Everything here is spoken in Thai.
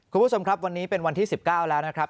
คุณผู้ชมครับวันนี้เป็นวันที่๑๙แล้วนะครับ